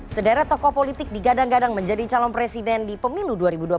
sederet tokoh politik digadang gadang menjadi calon presiden di pemilu dua ribu dua puluh